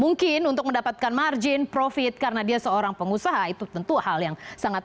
mungkin untuk mendapatkan margin profit karena dia seorang pengusaha itu tentu hal yang sangat